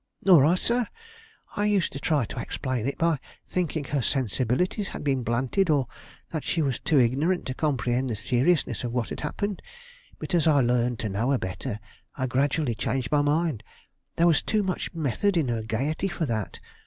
"Nor I, sir. I used to try to explain it by thinking her sensibilities had been blunted, or that she was too ignorant to comprehend the seriousness of what had happened; but as I learned to know her better, I gradually changed my mind. There was too much method in her gayety for that.